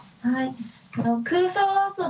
はい。